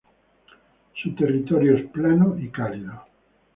Su territorio es plano y cálido.